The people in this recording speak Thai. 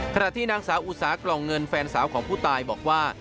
ขณะที่นางสาวอุตสากล่องเงินแฟนสาวของผู้ตายบอกว่า